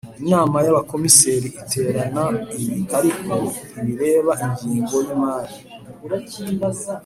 inama y Abakomiseri iterana ibi ariko ntibireba ingingo yi mari